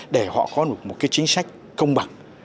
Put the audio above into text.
để họ có một cái chính sách công bằng